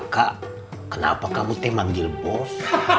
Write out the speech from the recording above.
kenapa kamu te manggil bos